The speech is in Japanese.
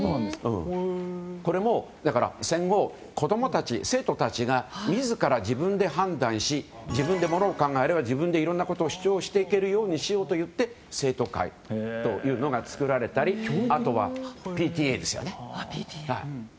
これも戦後子供たち、生徒たちが自ら自分で判断し自分でものを考えるあるいは自分でいろいろなことを主張していけるようにしようとして生徒会というのが作られたりあとはＰＴＡですね。